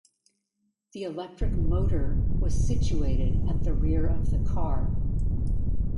The electric motor was situated at the rear of the car.